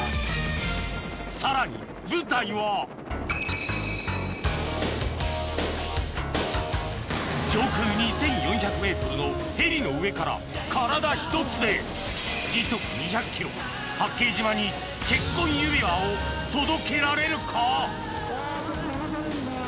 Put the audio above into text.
・さらに舞台はのヘリの上から体ひとつで時速２００ｋｍ八景島に結婚指輪を届けられるか？